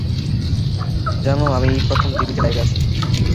জানো আমি এই প্রথম টিভিতে লাইভে আছি।